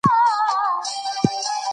ګویا نومونه د ژبي اصلي مواد دي.